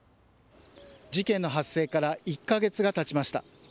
事件の発生から１か月がたちました。